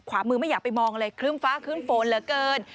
ขวามือไม่อยากไปมองเลยครึ้มฟ้าครึ้มฝนเหลือเกิน